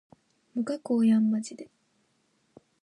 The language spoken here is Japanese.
無加工やんまじで